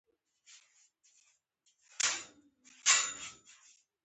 دا غزلونه د خوشحال خان په دېوان کې شته.